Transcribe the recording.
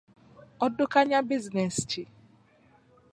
Oddukanya bizinensi ki?